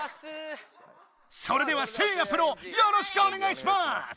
それではせいやプロよろしくおねがいします！